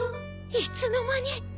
いつの間に。